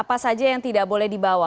apa saja yang tidak boleh dibawa